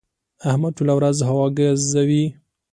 احمد ټوله ورځ هوا ګزوي.